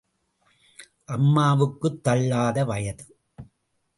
அம்மாவுக்கு தள்ளாத வயது.